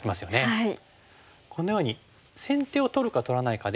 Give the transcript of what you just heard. はい。